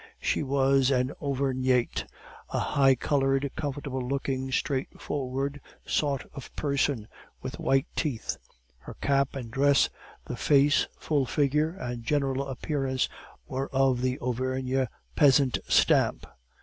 She was an Auvergnate, a high colored, comfortable looking, straightforward sort of person, with white teeth; her cap and dress, the face, full figure, and general appearance, were of the Auvergne peasant stamp.